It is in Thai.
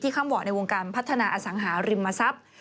คำเหวะในวงการพัฒนาอสังหาริมทรัพย์